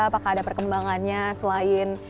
apakah ada perkembangannya selain